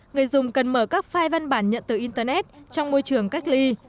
người dùng cần mở các file văn bản nhận từ internet trong môi trường cách ly